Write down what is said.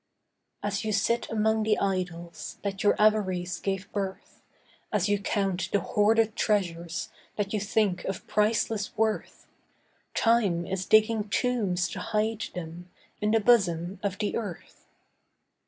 As you sit among the idols That your avarice gave birth, As you count the hoarded treasures That you think of priceless worth, Time is digging tombs to hide them In the bosom of the earth.